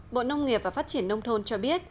bộ nông nghiệp và phát triển nông thôn cho biết